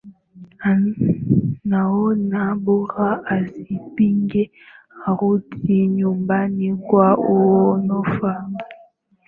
anaona bora asipige arudi nyumbani kwa kuhofia amani